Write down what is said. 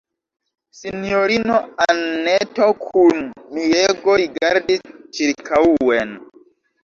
Sinjorino Anneto kun mirego rigardis ĉirkaŭen.